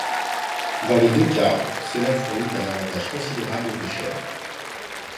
Dans les deux cas, cela fournit un avantage considérable au pêcheur.